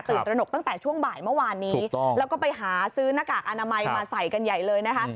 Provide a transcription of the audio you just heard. ตระหนกตั้งแต่ช่วงบ่ายเมื่อวานนี้แล้วก็ไปหาซื้อหน้ากากอนามัยมาใส่กันใหญ่เลยนะคะ